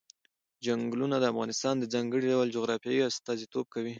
چنګلونه د افغانستان د ځانګړي ډول جغرافیه استازیتوب کوي.